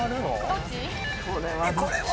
どっち？